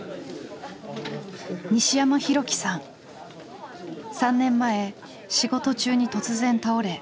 ３年前仕事中に突然倒れ頚髄を損傷。